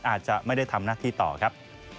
อาจจะไม่ได้ทำหน้าที่ต่อครับ